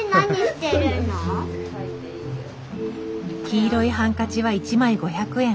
黄色いハンカチは１枚５００円。